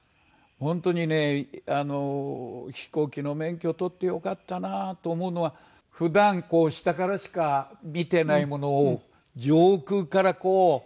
本当にね飛行機の免許を取ってよかったなと思うのは普段下からしか見てないものを上空からこう。